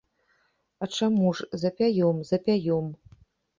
А чаму ж, запяём, запяём.